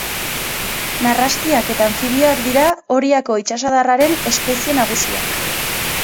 Narrastiak eta anfibioak dira Oriako itsasadarraren espezie nagusiak.